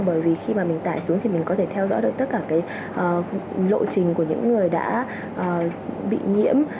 bởi vì khi mà mình tải xuống thì mình có thể theo dõi được tất cả cái lộ trình của những người đã bị nhiễm